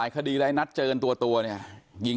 แม่โชคดีนะไม่ถึงตายนะ